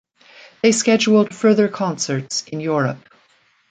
They scheduled further concerts in Europe.